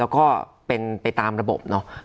แล้วก็เป็นไปตามระบบเนาะ